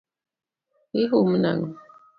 Ihum nang’o?